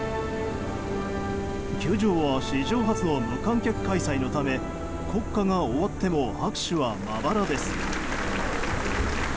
球場は史上初の無観客開催のため国歌が終わっても拍手はまばらです。